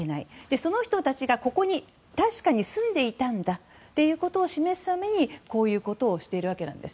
その人たちがここに確かに住んでいたんだということを示すために、こういうことをしているわけです。